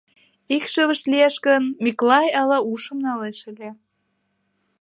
Икшывышт лиеш гын, Миклай ала ушым налеш ыле.